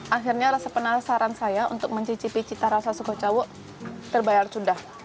akhirnya rasa penasaran saya untuk mencicipi cita rasa suku cawo terbayar sudah